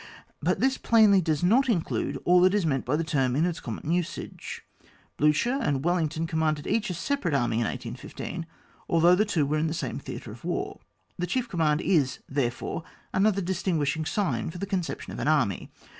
But this plainly does not include all that is meant by the term in its common usage. BlUcher and Wel lington commanded each a separate army in 1815, although the two were in the same Theatre of War. The chief com mand is, therefore, another distinguish ing sign for the conception of an Army.